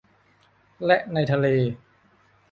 และในทะเล